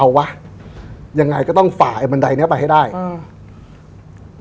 เอาวะยังไงก็ต้องฝ่าไอบันไดเนี้ยไปให้ได้อืม